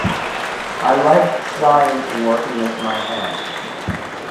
I liked science and working with my hands.